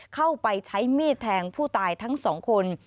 เข้าไปใช้มีดแทงผู้ตายทั้งสองคน